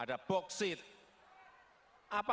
apakah kita mau berhenti karena digugat oleh uni eropa